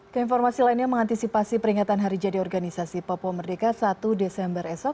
keinformasi lainnya mengantisipasi peringatan hari jadi organisasi papua merdeka satu desember esok